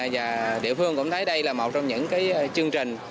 và địa phương cũng thấy đây là một trong những chương trình